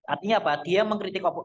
artinya apa dia mengkritik